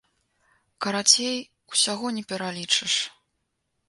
Карацей, усяго не пералічыш.